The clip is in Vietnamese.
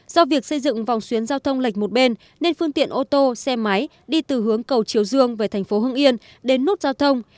do việc xây dựng vòng xuyến giao thông lệch một bên nên phương tiện ô tô xe máy đi từ hướng cầu chiều dương về thành phố hưng yên đến nút giao thông